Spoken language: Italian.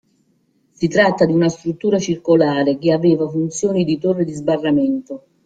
Si tratta di una struttura circolare che aveva funzioni di torre di sbarramento.